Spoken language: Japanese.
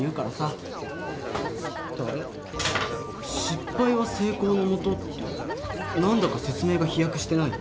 「失敗は成功のもと」って何だか説明が飛躍してない？